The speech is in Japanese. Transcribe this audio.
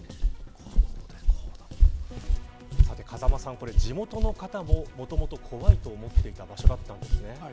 風間さん、地元の方ももともと怖いと思っていた場所だったんですね。